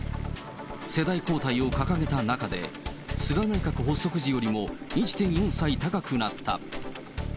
世代交代を掲げた中で、菅内閣発足時よりも１．４歳高くなった。